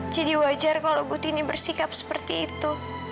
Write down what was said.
jadi wajar kalau ibu tini bersikap seperti itu